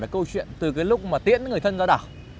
câu chuyện từ cái lúc mà tiễn người thân ra đảo